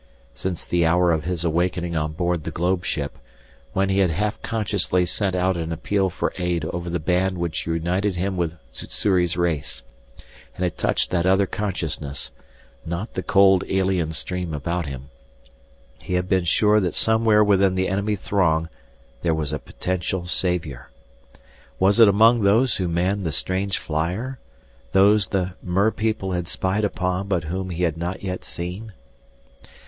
Since the hour of his awakening on board the globe ship, when he had half consciously sent out an appeal for aid over the band which united him with Sssuri's race, and had touched that other consciousness not the cold alien stream about him he had been sure that somewhere within the enemy throng there was a potential savior. Was it among those who manned the strange flyer, those the merpeople had spied upon but whom he had not yet seen?